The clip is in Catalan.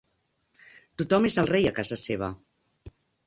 Tothom és el rei a casa seva.